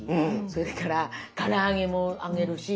それからから揚げも揚げるし。